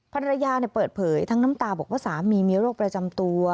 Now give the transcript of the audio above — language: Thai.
ภรรยาเปิดเผยทั้งน้ำตาบอกว่าสามีมีโรคประจำตัว